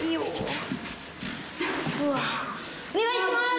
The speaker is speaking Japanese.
お願いします！